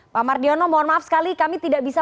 pak mardiono mohon maaf sekali kami tidak bisa